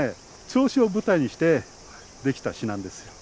銚子を舞台にして出来た詩なんですよ。